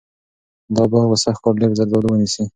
دا باغ به سږکال ډېر زردالو ونیسي.